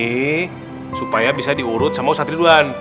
dibawa ke sini supaya bisa diurut sama ustadz ridwan